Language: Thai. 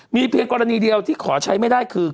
มีเพียงกรณีเดียวที่ขอใช้ไม่ได้คือ